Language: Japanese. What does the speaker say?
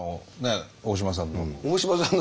大島さんの。